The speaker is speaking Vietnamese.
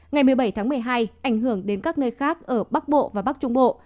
ngày một mươi bảy tháng một mươi hai ảnh hưởng đến các nơi khác ở bắc bộ và bắc trung bộ